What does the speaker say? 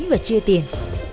và chia tiền